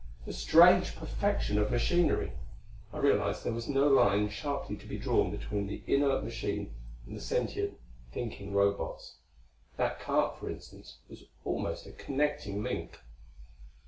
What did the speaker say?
The strange perfection of machinery! I realized there was no line sharply to be drawn between the inert machine and the sentient, thinking Robots. That cart, for instance, was almost a connecting link.